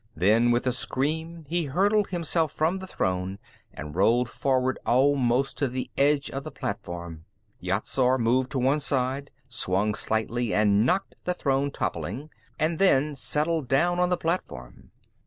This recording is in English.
Then, with a scream, he hurled himself from the throne and rolled forward almost to the edge of the platform. Yat Zar moved to one side, swung slightly and knocked the throne toppling, and then settled down on the platform.